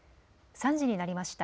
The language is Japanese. ３時になりました。